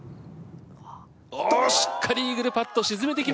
おおしっかりイーグルパット沈めてきました。